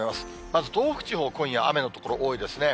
まず東北地方、今夜雨の所、多いですね。